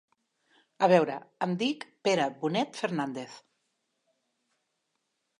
A veure, em dic Pere Bonet Fernández.